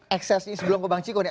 eksesnya sebelum ke bang ciko nih